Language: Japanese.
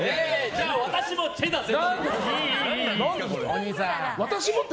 じゃあ私もチェだぜ！